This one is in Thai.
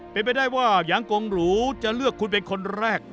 เป็นไปได้ว่ายางกงหรูจะเลือกคุณเป็นคนแรก